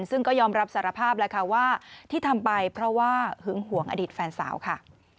ซึ่งก็ยอมรับสารภาพแล้วค่ะว่าที่ทำไปเพราะว่าหึงห่วงอดีตแฟนสาวค่ะ